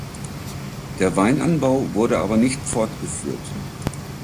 Der Weinanbau wurde aber nicht fortgeführt.